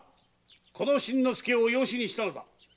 この新之助を養子にしたのだ。